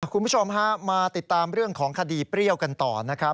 คุณผู้ชมฮะมาติดตามเรื่องของคดีเปรี้ยวกันต่อนะครับ